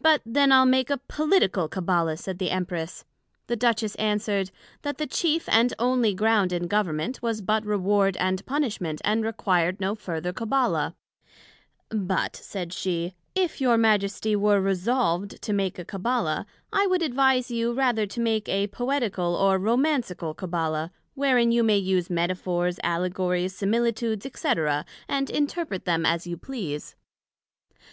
But then I'le make a Political Cabbala, said the Empress. The Duchess answered, That the chief and onely ground in Government, was but Reward and Punishment, and required no further Cabbala; But, said she, If your Majesty were resolved to make a Cabbala, I would advise you, rather to make a Poetical or Romancical Cabbala, wherein you may use Metaphors, Allegories, Similitudes, &c. and interpret them as you please.